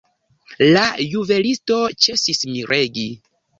La juvelisto ĉesis miregi.